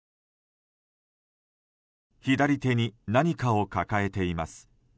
左手に何かを抱えています。